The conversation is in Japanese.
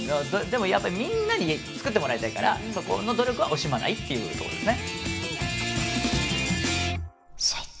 でもやっぱりみんなに作ってもらいたいからそこの努力は惜しまないっていうとこですね。